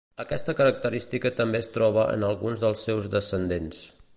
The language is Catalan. Aquesta característica també es troba en alguns dels seus descendents.